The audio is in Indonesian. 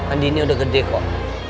andi ini udah gede kok